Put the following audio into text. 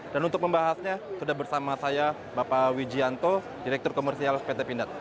dan untuk membahasnya sudah bersama saya bapak wijianto direktur komersial pt pindad